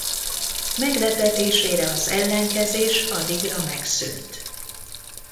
Meglepetésére az ellenkezés addigra megszűnt.